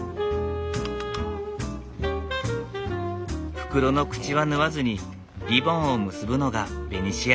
袋の口は縫わずにリボンを結ぶのがベニシア流。